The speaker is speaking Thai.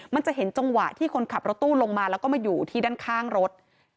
มันจะเห็นจังหวะที่คนขับรถตู้ลงมาแล้วก็มาอยู่ที่ด้านข้างรถ